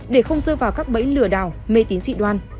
để không rơ vào các bẫy lừa đào mê tín dị đoan